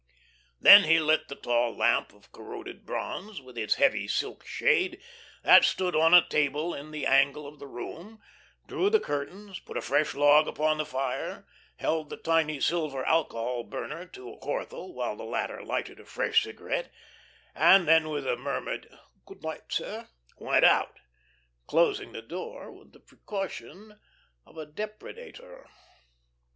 Then he lit the tall lamp of corroded bronze, with its heavy silk shade, that stood on a table in the angle of the room, drew the curtains, put a fresh log upon the fire, held the tiny silver alcohol burner to Corthell while the latter lighted a fresh cigarette, and then with a murmured "Good night, sir," went out, closing the door with the precaution of a depredator.